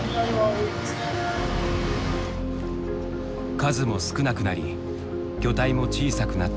数も少なくなり魚体も小さくなった